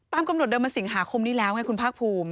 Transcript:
กำหนดเดิมมันสิงหาคมนี้แล้วไงคุณภาคภูมิ